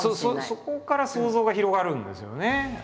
そこから想像が広がるんですよね。